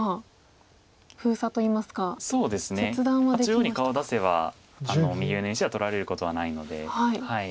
中央に顔を出せば右上の石は取られることはないので。